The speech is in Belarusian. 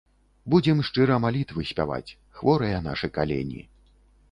Будзем шчыра малітвы спяваць, хворыя нашы калені.